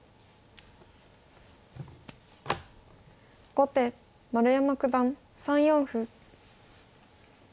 後手丸山九段３四歩。